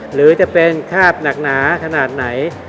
หรือจะเป็นคาบหนักหนาขนาดไหน